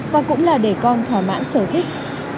và cũng là để con thoải mãn sở thích